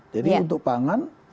jadi untuk pangan